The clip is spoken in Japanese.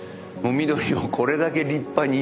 緑をこれだけ立派に。